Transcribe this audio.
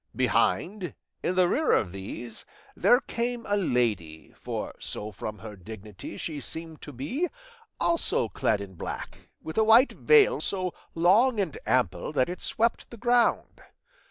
Behind, in the rear of these, there came a lady, for so from her dignity she seemed to be, also clad in black, with a white veil so long and ample that it swept the ground.